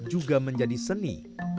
juga menjadi seni